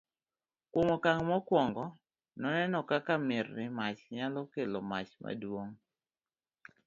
kuom okang' mokuongo noneno kaka mirni mach nyalo kelo mach maduong'